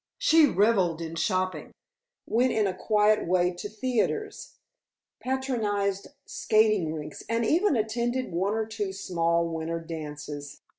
She revelled in shopping, went in a quiet way to theatres, patronized skating rinks, and even attended one or two small winter dances.